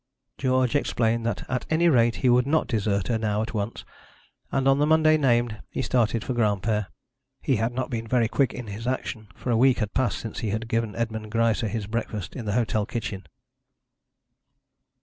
George explained that at any rate he would not desert her now at once; and on the Monday named he started for Granpere. He had not been very quick in his action, for a week had passed since he had given Edmond Greisse his breakfast in the hotel kitchen.